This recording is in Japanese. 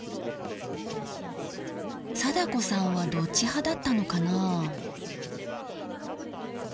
貞子さんはどっち派だったのかな？